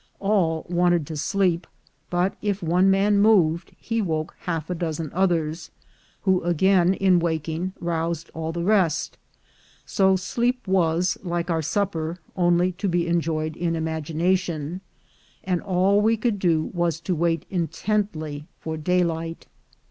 All wanted to sleep; but if one man moved, he woke half a dozen others, who again in waking roused all the rest; so sleep was, like our supper, only to be enjoyed in imagination, and all we could do was to wait intently for daylight.